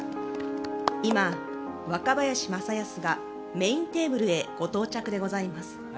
今、若林正恭がメインテーブルへご到着でございます。